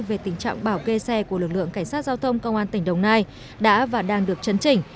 về tình trạng bảo kê xe của lực lượng cảnh sát giao thông công an tỉnh đồng nai đã và đang được chấn chỉnh